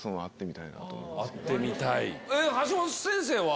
橋下先生は？